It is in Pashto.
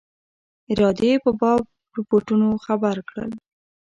ارادې په باب رپوټونو خبر کړل.